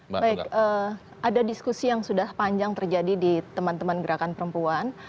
baik ada diskusi yang sudah panjang terjadi di teman teman gerakan perempuan